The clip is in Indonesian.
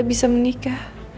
kita bisa menikah